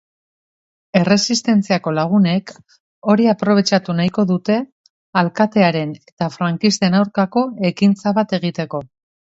Erresistentziako lagunek hori aprobetxatu nahiko dute alkatearen eta frankisten aurkako ekintza bat egiteko.